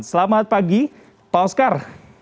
selamat pagi pak oscar